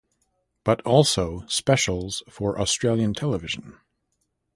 But Also specials for Australian television.